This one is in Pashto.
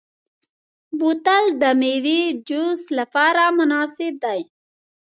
بوتل د میوې جوس لپاره مناسب دی.